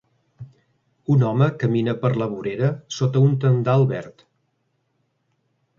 Un home camina per la vorera sota un tendal verd.